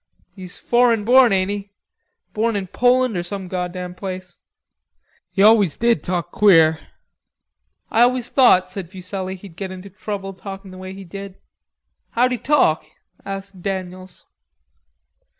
"He's foreign born, ain't he? Born in Poland or some goddam place." "He always did talk queer." "I always thought," said Fuselli, "he'd get into trouble talking the way he did." "How'd he talk?" asked Daniels.